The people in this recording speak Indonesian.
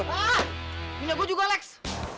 ah punya gue juga reks